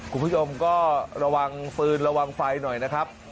คุณผู้ชมก็ระวังฟืนระวังไฟหน่อยนะครับ